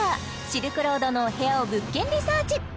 シルクロードのお部屋を物件リサーチ！